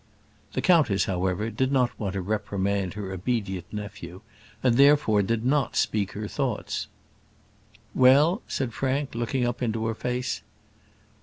The countess, however, did not want to reprimand her obedient nephew, and therefore did not speak out her thoughts. "Well?" said Frank, looking up into her face.